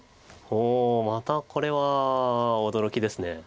おおまたこれは驚きです。